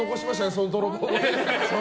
その泥棒。